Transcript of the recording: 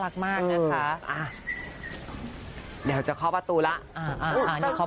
เดี๋ยวจะเข้าประตูแล้ว